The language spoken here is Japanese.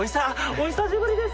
お久しぶりです